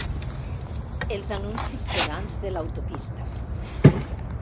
Els anuncis gegants de l'autopista.